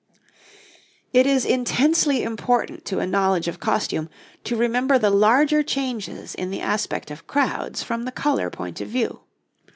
It is intensely important to a knowledge of costume to remember the larger changes in the aspect of crowds from the colour point of view.